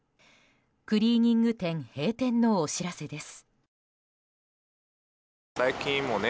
クリーニング店閉店のお知らせです。